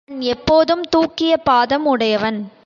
அவன் எப்போதும் தூக்கிய பாதம் உடையவன்.